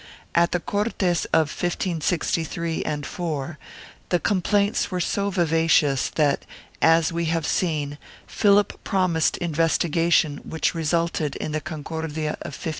At the Cortes of 1563 4 the complaints were so vivacious that, as we have seen, Philip prom ised investigation which resulted in the Concordia of 1568.